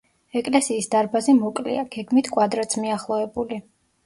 ეკლესიის დარბაზი მოკლეა, გეგმით კვადრატს მიახლოებული.